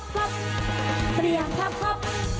เตรียมพับกรอบ